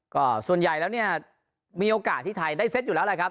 ก็ส่วนใหญ่แล้วเนี่ยมีโอกาสที่ไทยได้เซตอยู่แล้วแหละครับ